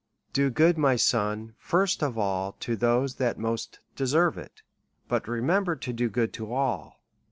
Do good, my son, first of all to those that most de serve it, but remember to do good to all.